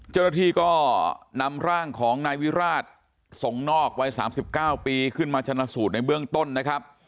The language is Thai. เจ้าหน้าที่ก็นำร่างของนายวิราชส่งนอกวัย๓๙ปีขึ้นมาชนะสูตรในเบื้องต้นนะครับ